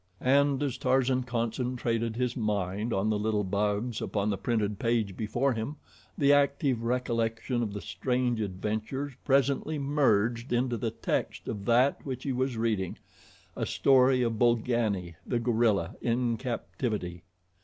And as Tarzan concentrated his mind on the little bugs upon the printed page before him, the active recollection of the strange adventures presently merged into the text of that which he was reading a story of Bolgani, the gorilla, in captivity.